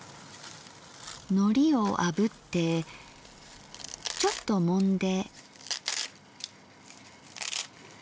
のりをあぶってちょっともんで。